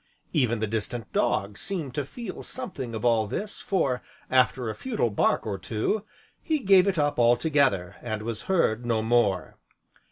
Even the distant dog seemed to feel something of all this, for, after a futile bark or two, he gave it up altogether, and was heard no more.